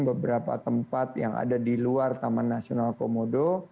beberapa tempat yang ada di luar taman nasional komodo